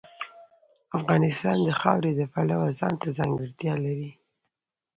افغانستان د خاوره د پلوه ځانته ځانګړتیا لري.